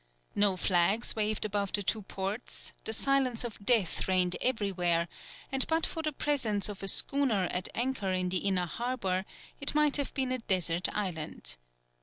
No flags waved above the two ports, the silence of death reigned everywhere, and but for the presence of a schooner at anchor in the inner harbour, it might have been a desert island.